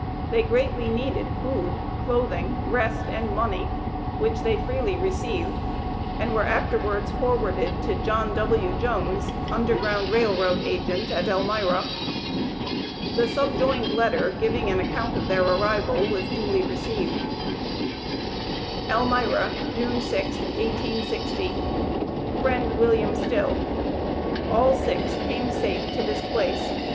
They greatly needed food, clothing, rest, and money, which they freely received, and were afterwards forwarded to John W. Jones, Underground Rail Road agent, at Elmira. The subjoined letter giving an account of their arrival was duly received: ELMIRA, June 6th, 1860. FRIEND WM. STILL: All six came safe to this place.